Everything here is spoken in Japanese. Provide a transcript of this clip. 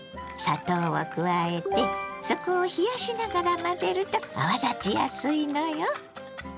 砂糖を加えて底を冷やしながら混ぜると泡立ちやすいのよ。